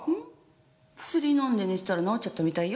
薬飲んで寝てたら治っちゃったみたいよ？